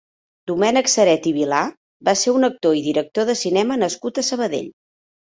Domènec Ceret i Vilà va ser un actor i director de cinema nascut a Sabadell.